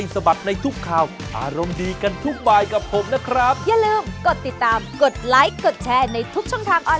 สวัสดีครับสวัสดีค่ะ